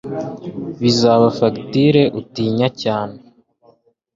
bizaba fagitire utinya cyane